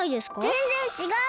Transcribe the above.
ぜんぜんちがう！